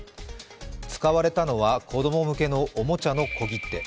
使われたのは子供向けのおもちゃの小切手。